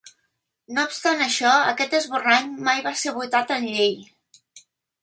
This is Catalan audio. No obstant això, aquest esborrany mai va ser votat en llei.